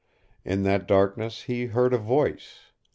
In that darkness he heard a voice.